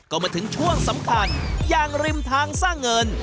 ก็มาถึงช่วงสำคัญอย่างริมทางสร้างเงิน